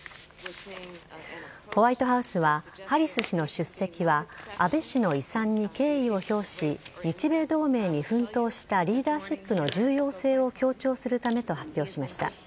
ホワイトハウスはハリス氏の出席は安倍氏の遺産に敬意を表し日米同盟に奮闘したリーダーシップの重要性を強調するためと発表しました。